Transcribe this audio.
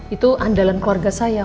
itu andalan keluarga saya